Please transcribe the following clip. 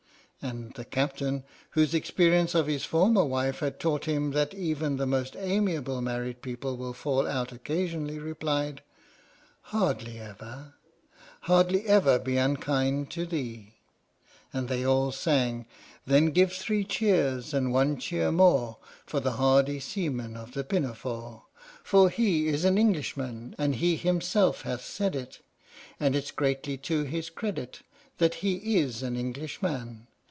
And the Captain, whose experience of his former wife had taught him that even the most amiable married people will fall out occasionally, replied: Hardly ever! Hardly ever be unkind to thee! And they all sang: Then give three cheers and one cheer more For the hardy seamen of the Pinafore! For he is an Englishman, And he himself hath said it, And it 's greatly to his credit That he is an Englishman